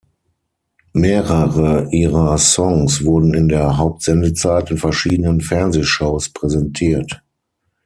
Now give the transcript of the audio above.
Mehrere ihrer Songs wurden in der Hauptsendezeit in verschiedenen Fernsehshows präsentiert.